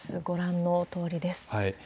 ご覧のとおりです。